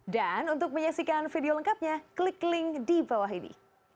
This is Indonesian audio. dan untuk menyaksikan video lengkapnya klik link di bawah ini